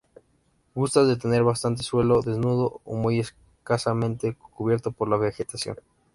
Gusta de tener bastante suelo desnudo o muy escasamente cubierto por la vegetación.